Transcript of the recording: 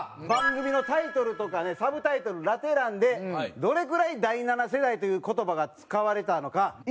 番組のタイトルとかねサブタイトルラテ欄でどれくらい「第七世代」という言葉が使われたのか？